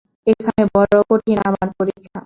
এইখানে বড়ো কঠিন আমার পরীক্ষা।